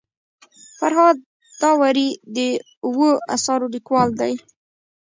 فرهاد داوري د اوو اثارو لیکوال دی.